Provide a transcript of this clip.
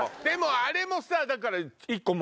でもあれもさだから。